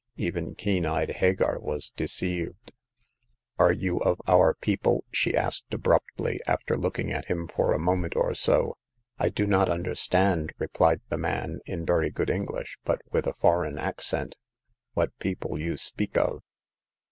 Even keen eyed Hagar was deceived. Are you of our people ?" she asked, abruptly, after looking at him for a moment or so. I do not understand," replied the man, in very good English, but with a foreign accent. " What people you speak of